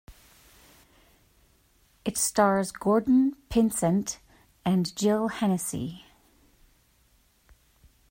It stars Gordon Pinsent and Jill Hennessy.